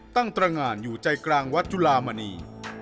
ตรงานอยู่ใจกลางวัดจุลามณี